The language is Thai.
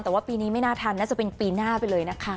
แต่ว่าปีนี้ไม่น่าทันน่าจะเป็นปีหน้าไปเลยนะคะ